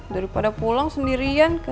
daripada pulang udah pulang aja ya